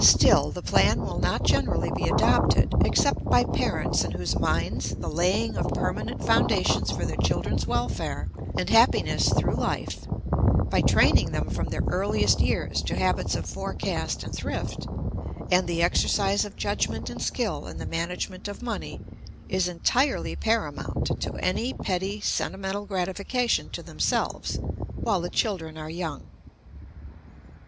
Still the plan will not generally be adopted, except by parents in whose minds the laying of permanent foundations for their children's welfare and happiness through life, by training them from their earliest years to habits of forecast and thrift, and the exercise of judgment and skill in the management of money, is entirely paramount to any petty sentimental gratification to themselves, while the children are young.